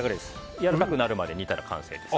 やわらかくなるまで煮たら完成です。